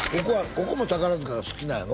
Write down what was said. ここも宝塚が好きなんやろ？